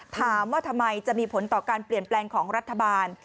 ถามว่าทำไมจะมีผลต่อการเปลี่ยนแปลงของรัฐบาล